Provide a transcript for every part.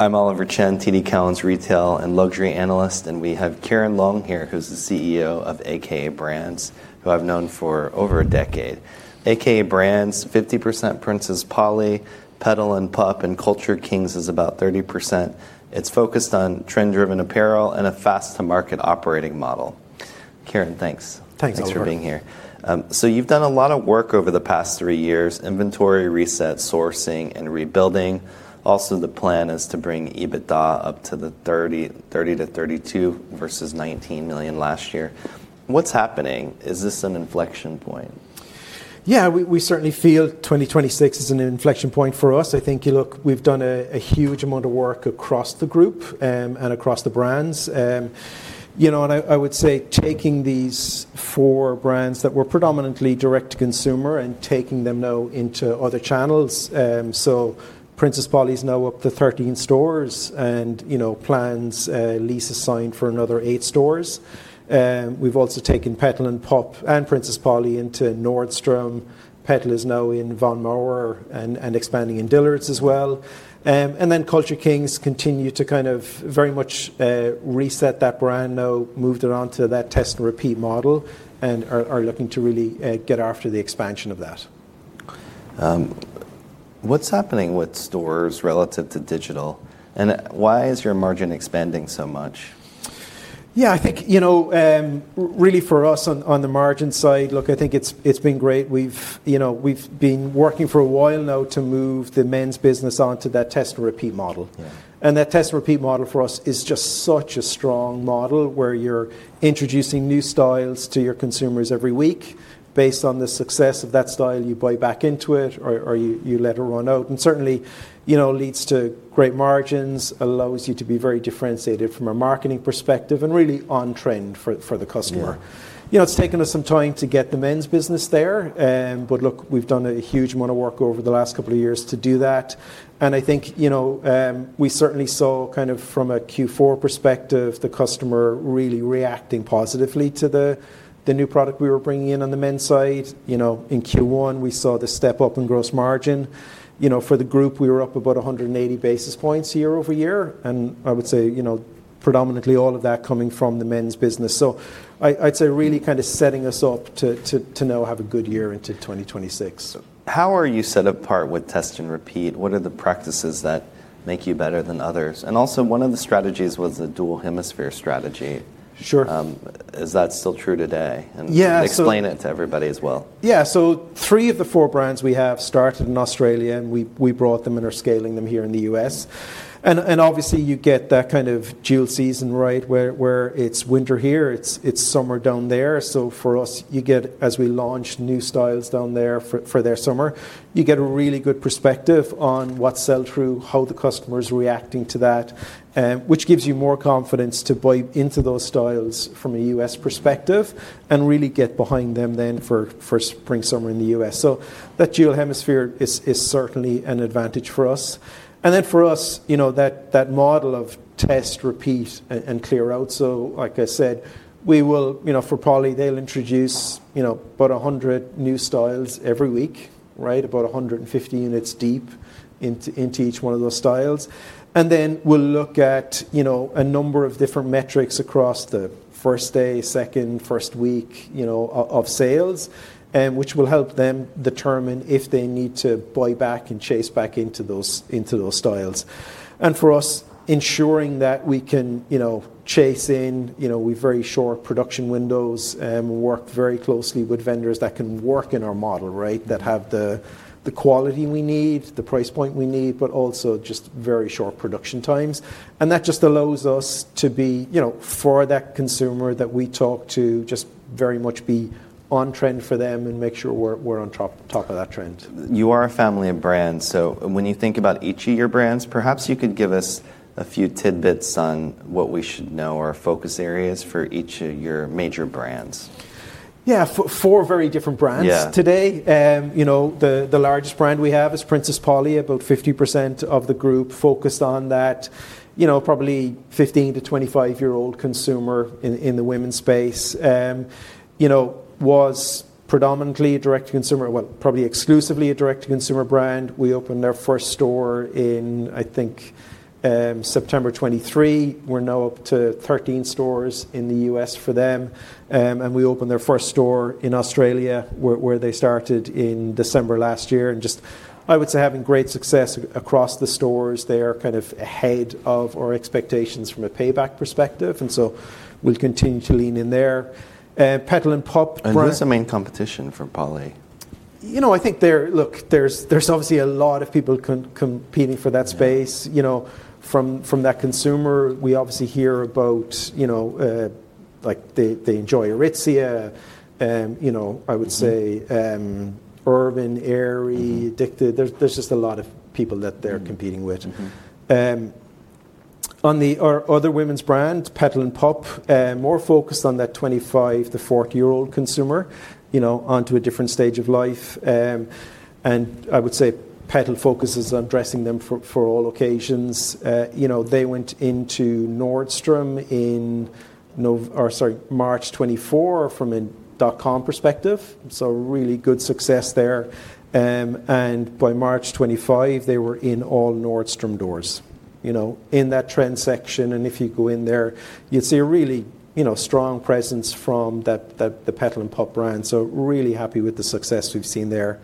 I'm Oliver Chen, TD Cowen's Retail and Luxury Analyst, and we have Ciaran Long here, who's the CEO of a.k.a. Brands, who I've known for over a decade. a.k.a. Brands, 50% Princess Polly, Petal & Pup, and Culture Kings is about 30%. It's focused on trend-driven apparel and a fast-to-market operating model. Ciaran, thanks. Thanks, Oliver. Thanks for being here. You've done a lot of work over the past three years, inventory reset, sourcing, and rebuilding. The plan is to bring EBITDA up to the $30 million-$32 million versus $19 million last year. What's happening? Is this an inflection point? Yeah, we certainly feel 2026 is an inflection point for us. I think, you look, we've done a huge amount of work across the group, and across the brands. I would say taking these four brands that were predominantly direct to consumer and taking them now into other channels. Princess Polly's now up to 13 stores, and plans, a lease is signed for another eight stores. We've also taken Petal & Pup and Princess Polly into Nordstrom. Petal is now in Von Maur and expanding in Dillard's as well. Culture Kings continue to very much reset that brand now, moved it on to that test and repeat model, and are looking to really get after the expansion of that. What's happening with stores relative to digital, and why is your margin expanding so much? Yeah, I think, really for us on the margin side, look, I think it's been great. We've been working for a while now to move the men's business onto that test and repeat model. Yeah. That test and repeat model for us is just such a strong model where you're introducing new styles to your consumers every week. Based on the success of that style, you buy back into it, or you let it run out. Certainly, leads to great margins, allows you to be very differentiated from a marketing perspective, and really on-trend for the customer. Yeah. It's taken us some time to get the men's business there. Look, we've done a huge amount of work over the last couple of years to do that, and I think, we certainly saw kind of from a Q4 perspective, the customer really reacting positively to the new product we were bringing in on the men's side. In Q1, we saw the step-up in gross margin. For the group, we were up about 180 basis points year-over-year, and I would say, predominantly all of that coming from the men's business. I'd say really kind of setting us up to now have a good year into 2026. How are you set apart with test and repeat? What are the practices that make you better than others? Also, one of the strategies was the dual hemisphere strategy. Sure. Is that still true today? Yeah. Explain it to everybody as well. Yeah. Three of the four brands we have started in Australia, and we brought them and are scaling them here in the U.S. Obviously, you get that kind of dual season, right? Where it's winter here, it's summer down there. For us, as we launch new styles down there for their summer, you get a really good perspective on what sell-through, how the customer's reacting to that, which gives you more confidence to buy into those styles from a U.S. perspective and really get behind them then for spring/summer in the U.S. That dual hemisphere is certainly an advantage for us. For us, that model of test, repeat, and clear out. Like I said, for Polly, they'll introduce about 100 new styles every week, right, about 150 units deep into each one of those styles. We'll look at a number of different metrics across the first day, second, first week of sales, which will help them determine if they need to buy back and chase back into those styles. For us, ensuring that we can chase in, we've very short production windows, and we work very closely with vendors that can work in our model, right? That have the quality we need, the price point we need, but also just very short production times. That just allows us to be, for that consumer that we talk to, just very much be on-trend for them and make sure we're on top of that trend. You are a family of brands, when you think about each of your brands, perhaps you could give us a few tidbits on what we should know are focus areas for each of your major brands. Yeah. Four very different brands today. The largest brand we have is Princess Polly, about 50% of the group focused on that, probably 15 to 25-year-old consumer in the women's space. Was predominantly a direct-to-consumer, well, probably exclusively a direct-to-consumer brand. We opened their first store in, I think, September 2023. We're now up to 13 stores in the U.S. for them, and we opened their first store in Australia, where they started in December 2022. Just, I would say, having great success across the stores. They are kind of ahead of our expectations from a payback perspective, we'll continue to lean in there. Petal & Pup brand- Who's the main competition for Polly? I think there's obviously a lot of people competing for that space. Yeah. From that consumer, we obviously hear about, like, they enjoy Aritzia. Urban, Aerie, Edikted. There's just a lot of people that they're competing with. On the other women's brand, Petal & Pup, more focused on that 25 to 40-year-old consumer, onto a different stage of life. I would say Petal focuses on dressing them for all occasions. They went into Nordstrom in November or sorry, March 2024 from a dot com perspective, so really good success there. By March 2025, they were in all Nordstrom doors, in that trend section. If you go in there, you'd see a really strong presence from the Petal & Pup brand. Really happy with the success we've seen there.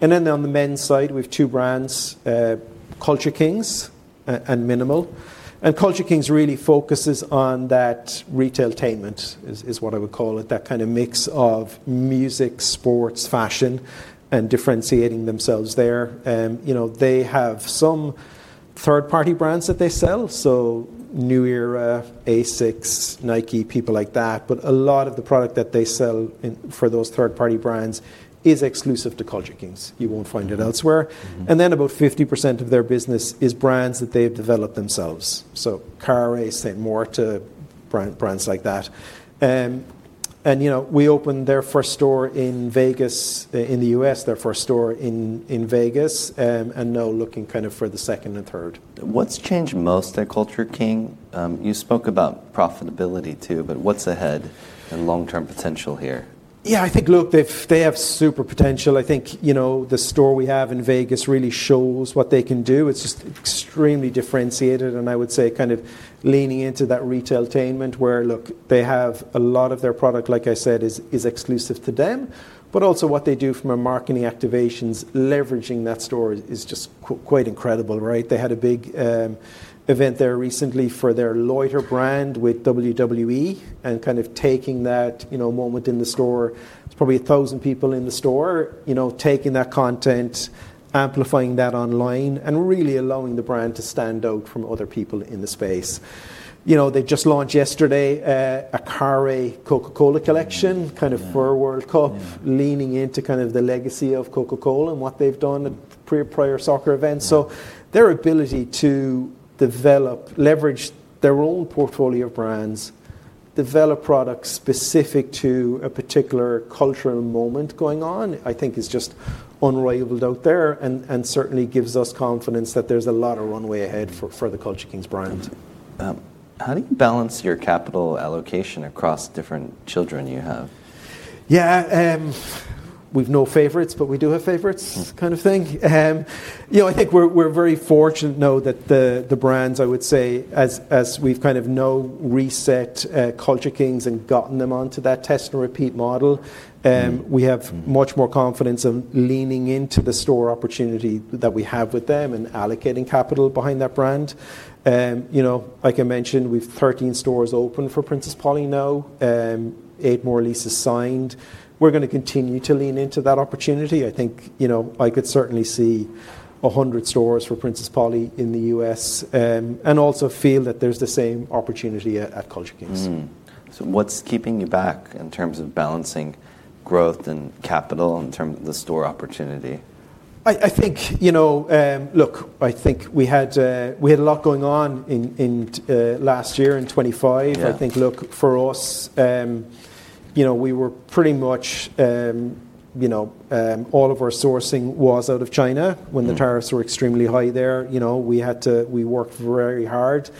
Then on the men's side, we've two brands, Culture Kings and mnml. Culture Kings really focuses on that retailtainment, is what I would call it, that kind of mix of music, sports, fashion, and differentiating themselves there. They have some third-party brands that they sell. New Era, ASICS, Nike, people like that. A lot of the product that they sell for those third-party brands is exclusive to Culture Kings. You won't find it elsewhere. About 50% of their business is brands that they've developed themselves. Carhartt, Saint Morta, brands like that. We opened their first store in Vegas, in the U.S., and now looking kind of for the second and third. What's changed most at Culture Kings? You spoke about profitability too, but what's ahead and long-term potential here? Yeah, I think, look, they have super potential. I think the store we have in Vegas really shows what they can do. It's just extremely differentiated, and I would say kind of leaning into that retailtainment, where, look, they have a lot of their product, like I said, is exclusive to them. Also what they do from a marketing activations, leveraging that store is just quite incredible, right? They had a big event there recently for their Loiter brand with WWE, and kind of taking that moment in the store. It's probably 1,000 people in the store. Taking that content, amplifying that online, and really allowing the brand to stand out from other people in the space. They just launched yesterday a Carhartt Coca-Cola collection. Yeah Kind of for World Cup. Yeah. Leaning into kind of the legacy of Coca-Cola and what they've done at prior soccer events. Their ability to develop, leverage their own portfolio of brands, develop products specific to a particular cultural moment going on, I think is just unrivaled out there, and certainly gives us confidence that there's a lot of runway ahead for the Culture Kings brand. How do you balance your capital allocation across different children you have? Yeah. We've no favorites, but we do have favorites kind of thing. I think we're very fortunate now that the brands, I would say, as we've kind of now reset Culture Kings and gotten them onto that test and repeat model. We have much more confidence of leaning into the store opportunity that we have with them and allocating capital behind that brand. Like I mentioned, we've 13 stores open for Princess Polly now, eight more leases signed. We're going to continue to lean into that opportunity. I think I could certainly see 100 stores for Princess Polly in the U.S., also feel that there's the same opportunity at Culture Kings. What's keeping you back in terms of balancing growth and capital in terms of the store opportunity? I think we had a lot going on last year in 2025. Yeah. I think, look, for us, all of our sourcing was out of China when the tariffs were extremely high there. We worked very hard,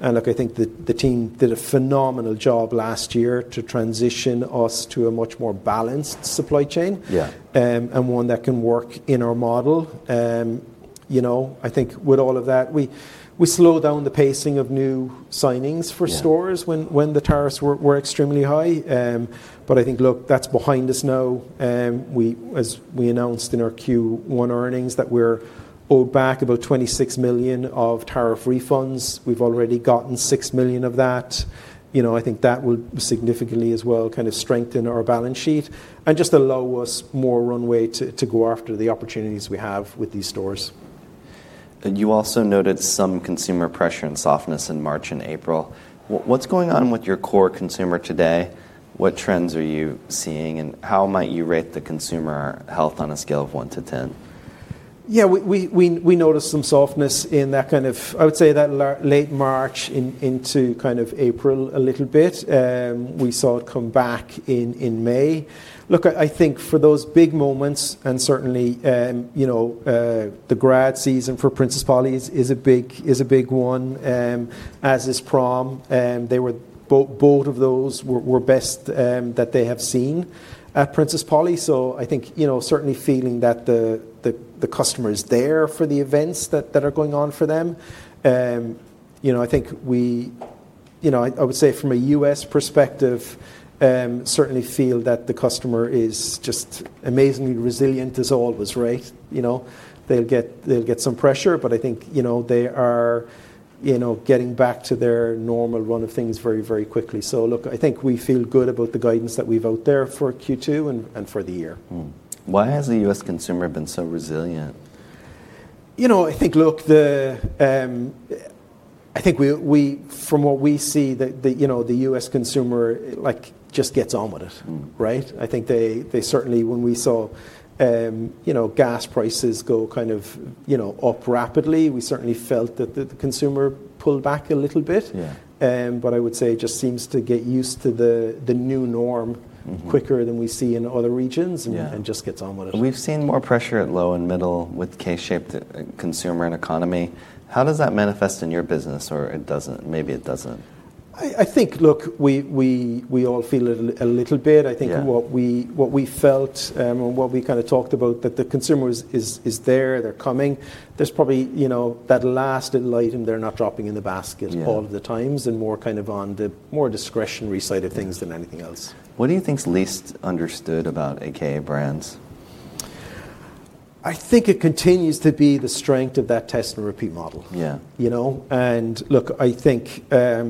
and look, I think the team did a phenomenal job last year to transition us to a much more balanced supply chain. Yeah. One that can work in our model. I think with all of that, we slowed down the pacing of new signings for stores when the tariffs were extremely high. I think, look, that's behind us now. As we announced in our Q1 earnings that we're owed back about $26 million of tariff refunds. We've already gotten $6 million of that. I think that will significantly as well kind of strengthen our balance sheet, and just allow us more runway to go after the opportunities we have with these stores. You also noted some consumer pressure and softness in March and April. What's going on with your core consumer today? What trends are you seeing, and how might you rate the consumer health on a scale of one to 10? We noticed some softness in that kind of, I would say, late March into kind of April a little bit. We saw it come back in May. I think for those big moments, and certainly the grad season for Princess Polly is a big one, as is prom. Both of those were best that they have seen at Princess Polly. I think certainly feeling that the customer is there for the events that are going on for them. I would say from a U.S. perspective, certainly feel that the customer is just amazingly resilient as always, right? They'll get some pressure, but I think they are getting back to their normal run of things very quickly. I think we feel good about the guidance that we've out there for Q2 and for the year. Why has the U.S. consumer been so resilient? I think from what we see, the U.S. consumer just gets on with it, right? I think they certainly, when we saw gas prices go up rapidly, we certainly felt that the consumer pulled back a little bit. Yeah. I would say just seems to get used to the new norm quicker than we see in other regions. Yeah Just gets on with it. We've seen more pressure at low and middle with K-shaped consumer and economy. How does that manifest in your business, or it doesn't? Maybe it doesn't. I think, look, we all feel it a little bit. Yeah. I think what we felt and what we kind of talked about, that the consumer is there, they're coming. There's probably that last little item they're not dropping in the basket all of the times, and more kind of on the more discretionary side of things than anything else. What do you think is least understood about a.k.a. Brands? I think it continues to be the strength of that test and repeat model. Yeah. Look, I think a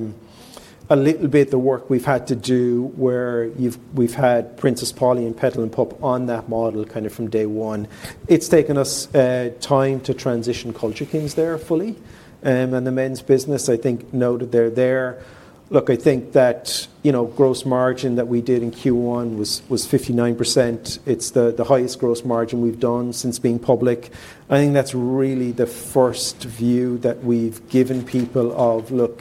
little bit the work we've had to do where we've had Princess Polly and Petal & Pup on that model kind of from day one. It's taken us time to transition Culture Kings there fully. The men's business, I think now that they're there. Look, I think that gross margin that we did in Q1 was 59%. It's the highest gross margin we've done since being public. I think that's really the first view that we've given people of, look,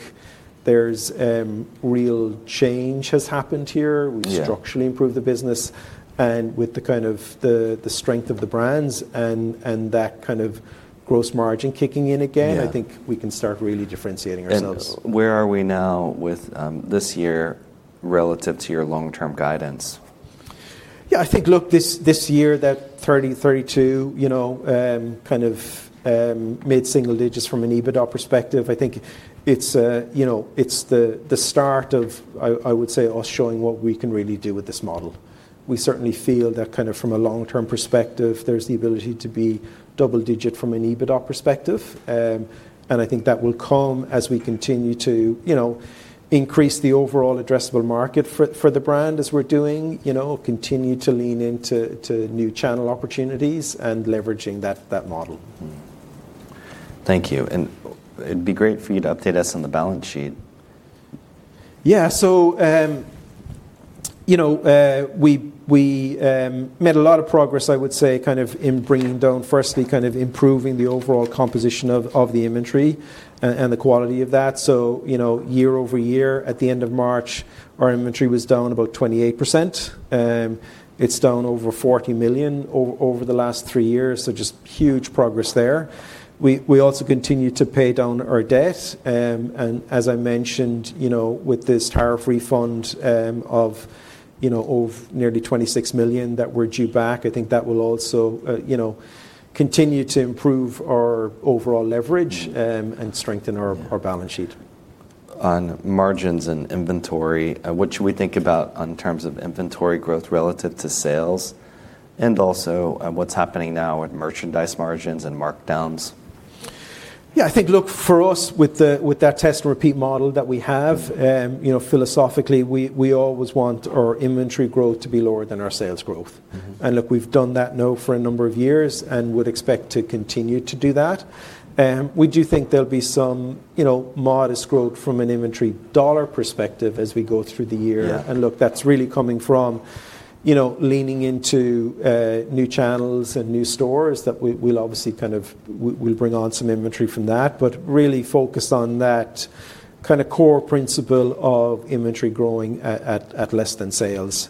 real change has happened here. Yeah. We've structurally improved the business, and with the kind of the strength of the brands and that kind of gross margin kicking in again. Yeah I think we can start really differentiating ourselves. Where are we now with this year relative to your long-term guidance? I think, look, this year, that $30 million, $32 million, kind of mid-single digits from an EBITDA perspective, I think it's the start of, I would say, us showing what we can really do with this model. We certainly feel that kind of from a long-term perspective, there's the ability to be double digit from an EBITDA perspective. I think that will come as we continue to increase the overall addressable market for the brand as we're doing. Continue to lean into new channel opportunities and leveraging that model. Mm-hmm. Thank you. It'd be great for you to update us on the balance sheet. Yeah. We made a lot of progress, I would say, kind of in bringing down, firstly, kind of improving the overall composition of the inventory and the quality of that. Year-over-year, at the end of March, our inventory was down about 28%. It's down over $40 million over the last three years, so just huge progress there. We also continue to pay down our debt. As I mentioned with this tariff refund of nearly $26 million that we're due back, I think that will also continue to improve our overall leverage and strengthen our balance sheet. On margins and inventory, what should we think about in terms of inventory growth relative to sales, and also, what's happening now with merchandise margins and markdowns? Yeah, I think, look, for us, with that test and repeat model that we have and philosophically, we always want our inventory growth to be lower than our sales growth. Look, we've done that now for a number of years and would expect to continue to do that. We do think there'll be some modest growth from an inventory dollar perspective as we go through the year. Yeah. Look, that's really coming from leaning into new channels and new stores that we'll obviously kind of bring on some inventory from that but really focused on that kind of core principle of inventory growing at less than sales.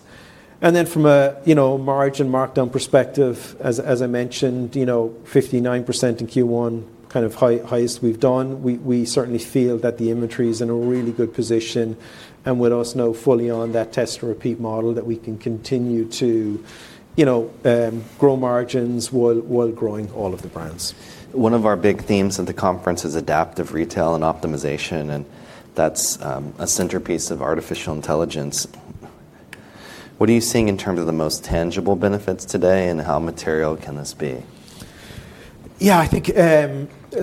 From a margin markdown perspective, as I mentioned, 59% in Q1, kind of highest we've done. We certainly feel that the inventory's in a really good position, and with us now fully on that test and repeat model, that we can continue to grow margins while growing all of the brands. One of our big themes at the conference is adaptive retail and optimization, and that's a centerpiece of artificial intelligence. What are you seeing in terms of the most tangible benefits today, and how material can this be? Yeah, I think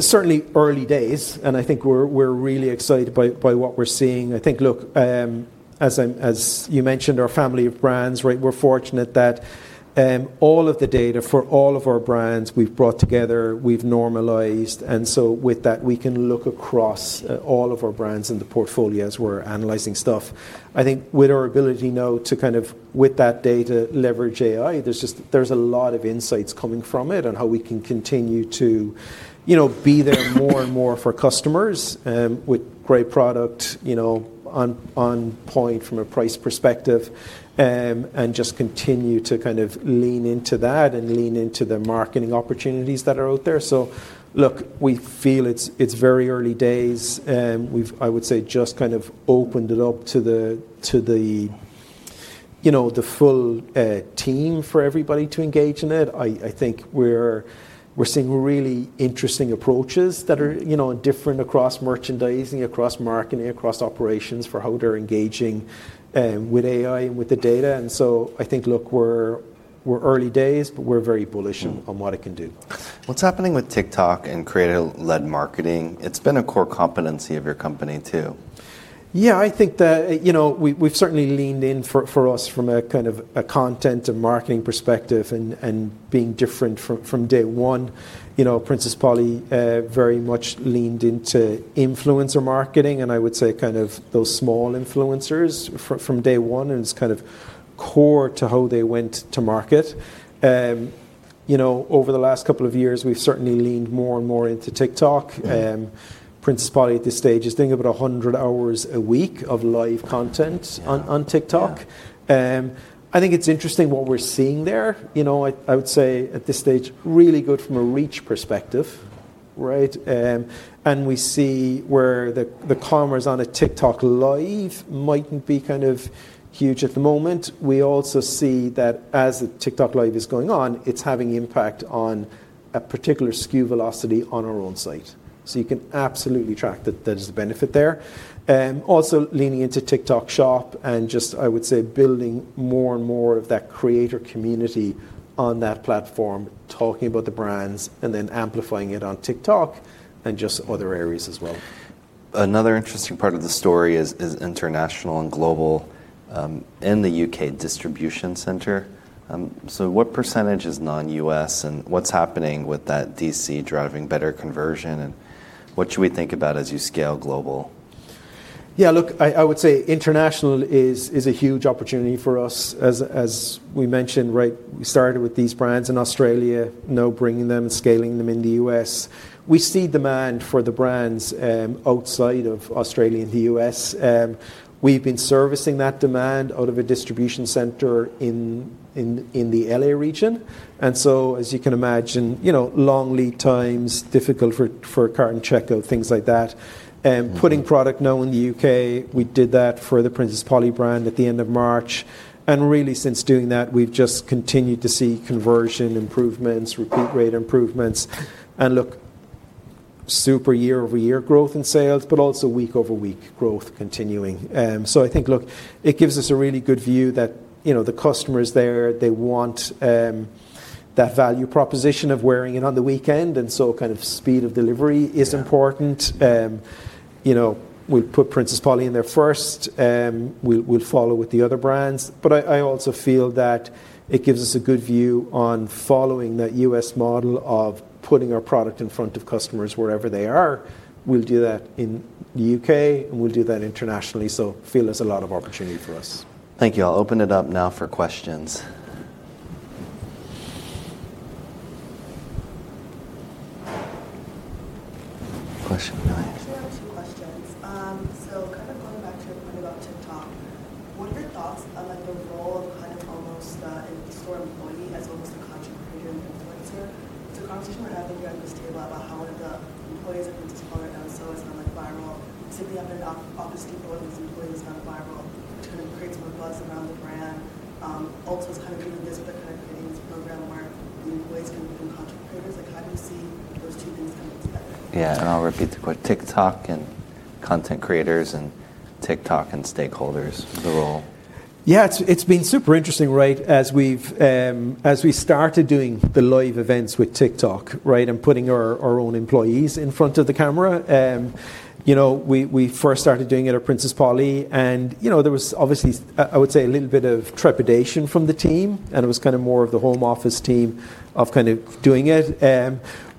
certainly early days, and I think we're really excited by what we're seeing. I think, look, as you mentioned, our family of brands, right? We're fortunate that all of the data for all of our brands we've brought together, we've normalized. With that, we can look across all of our brands in the portfolio as we're analyzing stuff. I think with our ability now to kind of, with that data, leverage AI, there's a lot of insights coming from it on how we can continue to be there more and more for customers, with great product, on point from a price perspective. Just continue to kind of lean into that and lean into the marketing opportunities that are out there. Look, we feel it's very early days. We've, I would say, just kind of opened it up to the full team for everybody to engage in it. I think we're seeing really interesting approaches that are different across merchandising, across marketing, across operations for how they're engaging with AI and with the data. I think, look, we're early days, but we're very bullish on what it can do. What's happening with TikTok and creator-led marketing? It's been a core competency of your company, too. Yeah, I think that we've certainly leaned in for us from a kind of a content and marketing perspective and being different from day one. Princess Polly very much leaned into influencer marketing, and I would say kind of those small influencers from day one, and it's kind of core to how they went to market. Over the last couple of years, we've certainly leaned more and more into TikTok. Yeah. Princess Polly at this stage is doing about 100 hours a week of live content on TikTok. Yeah. I think it's interesting what we're seeing there. I would say at this stage, really good from a reach perspective, right? We see where the commerce on a TikTok LIVE mightn't be kind of huge at the moment. We also see that as the TikTok LIVE is going on, it's having impact on a particular SKU velocity on our own site. You can absolutely track that there's a benefit there. Also leaning into TikTok Shop and just, I would say, building more and more of that creator community on that platform, talking about the brands, and then amplifying it on TikTok, and just other areas as well. Another interesting part of the story is international and global, in the U.K. distribution center. What percentage is non-U.S., and what's happening with that DC driving better conversion, and what should we think about as you scale global? Yeah, look, I would say international is a huge opportunity for us. As we mentioned, right, we started with these brands in Australia, now bringing them and scaling them in the U.S. We see demand for the brands, outside of Australia and the U.S. We've been servicing that demand out of a distribution center in the L.A. region. As you can imagine, long lead times, difficult for cart and checkout, things like that. And putting product now in the U.K., we did that for the Princess Polly brand at the end of March. Really, since doing that, we've just continued to see conversion improvements, repeat rate improvements, and look, super year-over-year growth in sales, but also week-over-week growth continuing. I think, look, it gives us a really good view that, the customer's there, they want that value proposition of wearing it on the weekend, and so kind of speed of delivery is important. Yeah. We put Princess Polly in there first. We'll follow with the other brands. I also feel that it gives us a good view on following that U.S. model of putting our product in front of customers wherever they are. We'll do that in the U.K., and we'll do that internationally. Feel there's a lot of opportunity for us. Thank you. I'll open it up now for questions. Question in the back. I actually have two questions. Kind of going back to the point about TikTok, what are your thoughts on, like, the role of kind of almost a store employee as almost a content creator and influencer? It's a conversation we're having here at this table about how the employees have been discovered and sellers gone, like, viral, typically out of office people and these employees gone viral, kind of creates more buzz around the brand. Ulta's kind of doing this with a kind of affiliates program where the employees can become content creators. How do you see those two things kind of intersecting? Yeah, I'll repeat the question: TikTok and content creators and TikTok and stakeholders, the role. It's been super interesting, right, as we've, as we started doing the live events with TikTok, right, and putting our own employees in front of the camera. We first started doing it at Princess Polly, there was obviously, I would say, a little bit of trepidation from the team, and it was kind of more of the home office team of kind of doing it.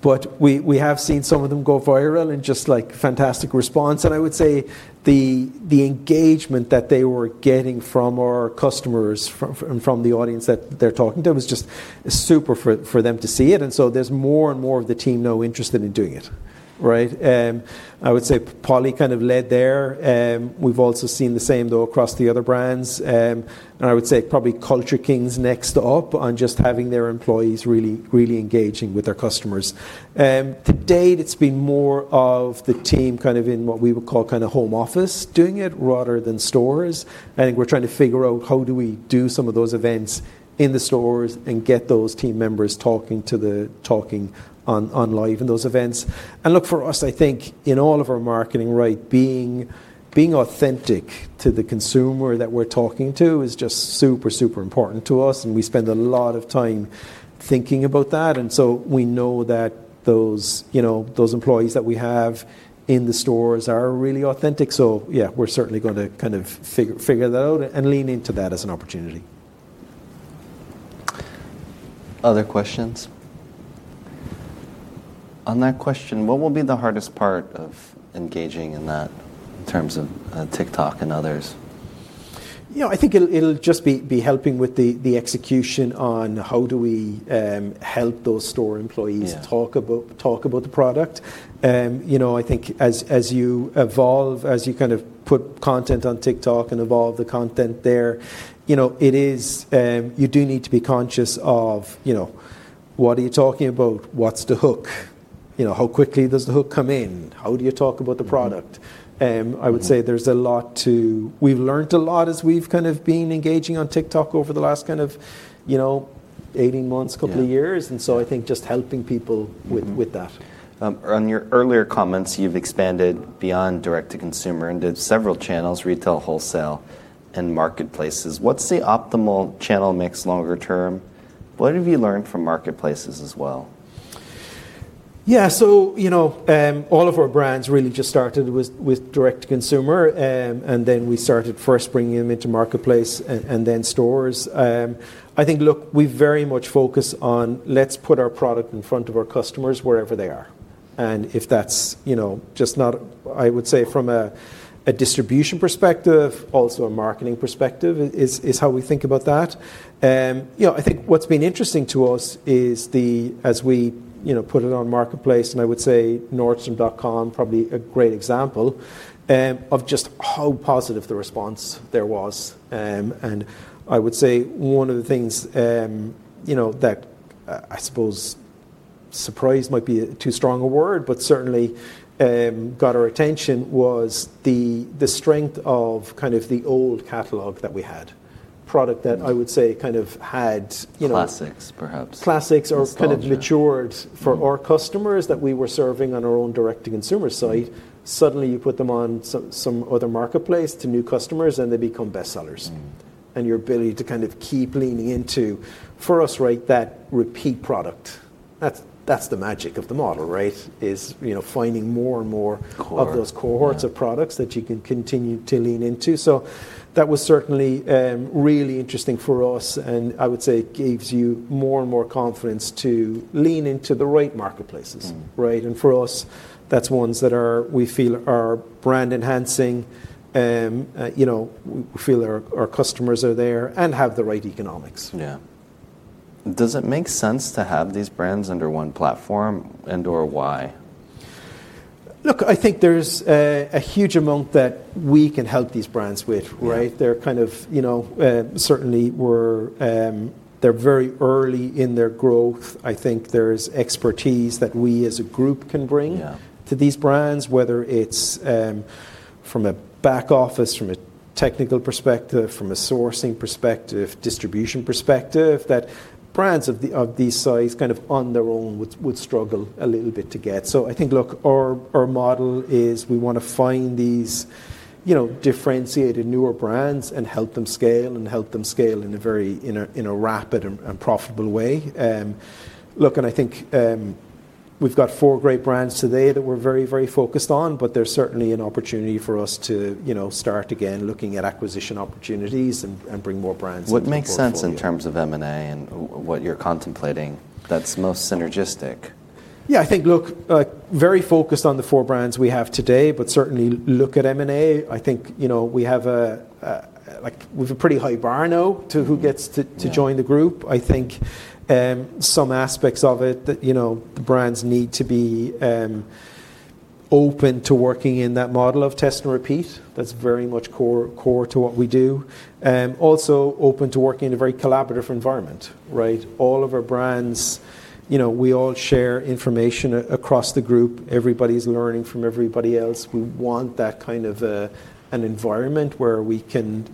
We have seen some of them go viral and just, like, fantastic response. I would say the engagement that they were getting from our customers from the audience that they're talking to is just super for them to see it. There's more and more of the team now interested in doing it. Right? I would say Polly kind of led there. We've also seen the same though across the other brands. I would say probably Culture Kings next up on just having their employees really engaging with their customers. To date, it's been more of the team kind of in what we would call kind of home office doing it rather than stores. I think we're trying to figure out how do we do some of those events in the stores and get those team members talking on live in those events. Look, for us, I think in all of our marketing life, being authentic to the consumer that we're talking to is just super important to us, and we spend a lot of time thinking about that. We know that those employees that we have in the stores are really authentic, so yeah, we're certainly going to kind of figure that out and lean into that as an opportunity. Other questions? On that question, what will be the hardest part of engaging in that in terms of TikTok and others? I think it'll just be helping with the execution on how do we help those store employees talk about the product. I think as you evolve, as you kind of put content on TikTok and evolve the content there, you do need to be conscious of, what are you talking about? What's the hook? How quickly does the hook come in? How do you talk about the product? We've learned a lot as we've kind of been engaging on TikTok over the last kind of 18 months, couple of years, I think just helping people with that. On your earlier comments, you've expanded beyond direct-to-consumer into several channels, retail, wholesale, and marketplaces. What's the optimal channel mix longer term? What have you learned from marketplaces as well? Yeah. All of our brands really just started with direct-to-consumer, and then we started first bringing them into marketplace and then stores. I think, look, we very much focus on let's put our product in front of our customers wherever they are. If that's just not I would say from a distribution perspective, also a marketing perspective is how we think about that. I think what's been interesting to us is the, as we put it on marketplace, and I would say nordstrom.com probably a great example, of just how positive the response there was. I would say one of the things that I suppose surprise might be too strong a word, but certainly got our attention, was the strength of kind of the old catalog that we had. Product that I would say kind of had– Classics, perhaps. Classics or kind of matured for our customers that we were serving on our own direct-to-consumer site. Suddenly, you put them on some other marketplace to new customers, and they become bestsellers. Your ability to kind of keep leaning into, for us, right, that repeat product. That's the magic of the model, right? Is finding more and more of those cohorts of products that you can continue to lean into. That was certainly really interesting for us, and I would say gives you more and more confidence to lean into the right marketplaces. Right? For us, that's ones that we feel are brand-enhancing, we feel our customers are there, and have the right economics. Yeah. Does it make sense to have these brands under one platform, and/or why? Look, I think there's a huge amount that we can help these brands with, right? Yeah. They're kind of, certainly They're very early in their growth. I think there's expertise that we as a group can bring to these brands. Whether it's from a back office, from a technical perspective, from a sourcing perspective, distribution perspective, that brands of these size kind of on their own would struggle a little bit to get. I think, look, our model is we want to find these differentiated newer brands and help them scale, and help them scale in a very rapid and profitable way. I think we've got four great brands today that we're very focused on, but there's certainly an opportunity for us to start again looking at acquisition opportunities and bring more brands into the portfolio. What makes sense in terms of M&A and what you're contemplating that's most synergistic? I think, look, very focused on the four brands we have today, but certainly look at M&A. I think we have a pretty high bar now to who gets to join the group. Yeah. I think some aspects of it that the brands need to be open to working in that model of test and repeat. That's very much core to what we do. Also open to working in a very collaborative environment, right? All of our brands, we all share information across the group. Everybody's learning from everybody else. We want that kind of an environment where we can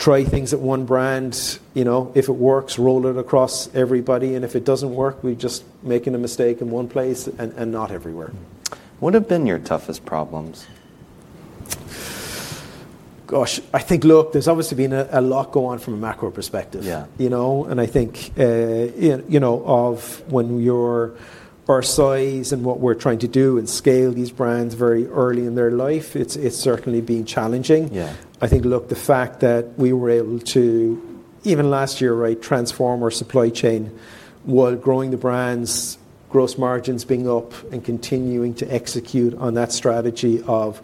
try things at one brand. If it works, roll it across everybody, and if it doesn't work, we're just making a mistake in one place and not everywhere. What have been your toughest problems? Gosh. I think, look, there's obviously been a lot go on from a macro perspective. Yeah. I think of when you're our size and what we're trying to do, and scale these brands very early in their life, it's certainly been challenging. Yeah. I think, look, the fact that we were able to, even last year, right, transform our supply chain while growing the brands, gross margins being up, and continuing to execute on that strategy of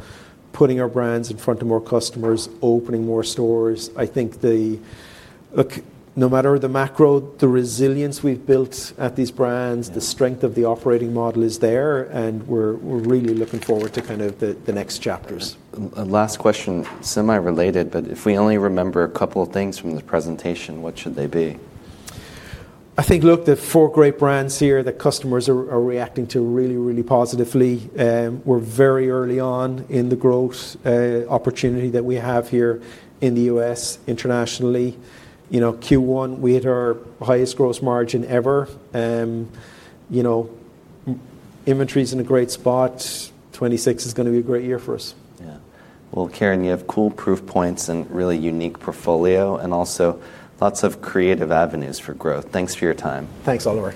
putting our brands in front of more customers, opening more stores. No matter the macro, the resilience we've built at these brands. Yeah The strength of the operating model is there, and we're really looking forward to kind of the next chapters. Last question, semi-related, but if we only remember a couple of things from this presentation, what should they be? I think, look, the four great brands here that customers are reacting to really, really positively. We're very early on in the growth opportunity that we have here in the U.S., internationally. Q1, we hit our highest gross margin ever. Inventory's in a great spot. 2026 is going to be a great year for us. Yeah. Well, Ciaran, you have cool proof points and really unique portfolio, also lots of creative avenues for growth. Thanks for your time. Thanks, Oliver.